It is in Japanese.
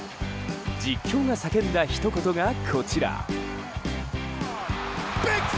実況が叫んだひと言がこちら。